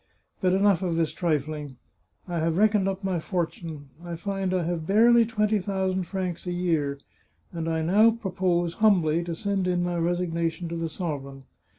But enough of this trifling. I have reckoned up my fortune ; I find I have barely twenty thousand francs a year, and I now pro pose humbly to send in my resignation to the sovereign.